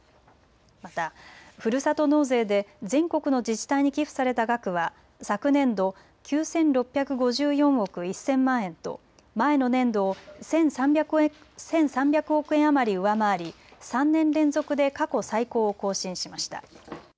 また、ふるさと納税で全国の自治体に寄付された額は昨年度９６５４億１０００万円と前の年度を１３００億円余り上回り、３年連続で過去最高を更新しました。